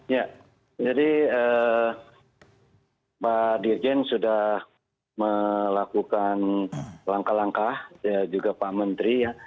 ya jadi pak dirjen sudah melakukan langkah langkah juga pak menteri ya